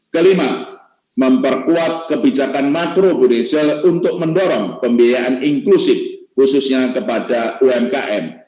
kelima memperkuat kebijakan makro budicial untuk mendorong pembiayaan inklusif khususnya kepada umkm